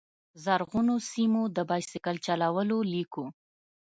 زرغونو سیمو، د بایسکل چلولو لیکو